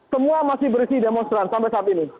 semua masih berisi demonstran sampai saat ini